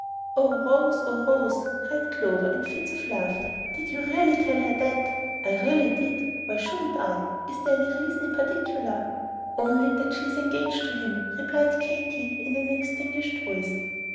"Oh, Rose, oh, Rose," cried Clover, in fits of laughter, "did you really tell her that?" "I really did. Why shouldn't I? Is there any reason in particular?" "Only that she is engaged to him," replied Katy, in an extinguished voice.